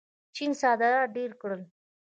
چین صادرات ډېر کړل.